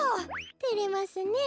てれますねえ。